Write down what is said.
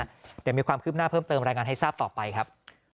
เดี๋ยวมีความคืบหน้าเพิ่มเติมรายงานให้ทราบต่อไปครับ